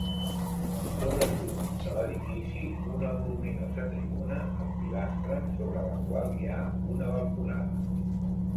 Sobresurt de l'edifici una voluminosa tribuna amb pilastres sobre la qual hi ha una balconada.